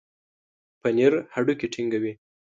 پنېر هډوکي ټينګوي.